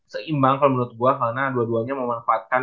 seimbang kalau menurut gua karena dua duanya memanfaatkan